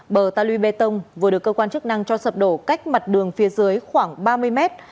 bờ ta lưu bê tông vừa được cơ quan chức năng cho sập đổ cách mặt đường phía dưới khoảng ba mươi mét